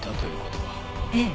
ええ。